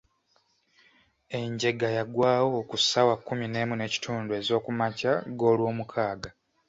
Enjega yagwawo ku ssaawa kkumi n'emu n'ekitundu ez'okumakya g'olwomukaaga.